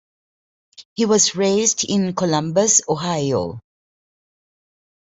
He was raised in Columbus, Ohio.